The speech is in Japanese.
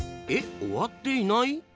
えっ終わっていない？